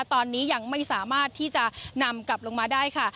ตอนนี้ยังไม่สามารถที่จะนำกลับลงมาได้ค่ะ